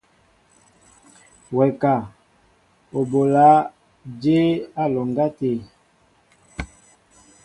Wɛ ka , o bola jěbá á alɔŋgá tê?